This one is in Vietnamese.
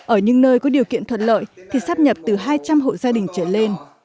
ở những nơi có điều kiện thuận lợi thì sắp nhập từ hai trăm linh hộ gia đình trở lên